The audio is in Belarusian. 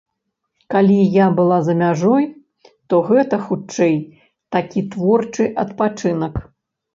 Калі я была за мяжой, то гэта, хутчэй, такі творчы адпачынак.